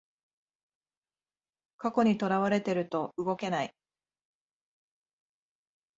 過去にとらわれてると動けない